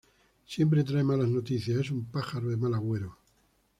Siempre trae malas noticias, es un pájaro de mal agüero